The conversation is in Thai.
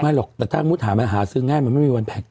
หรอกแต่ถ้ามุติหามันหาซื้อง่ายมันไม่มีวันแพ็ค